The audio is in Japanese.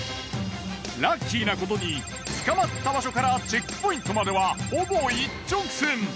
ラッキーなことに捕まった場所からチェックポイントまではほぼ一直線。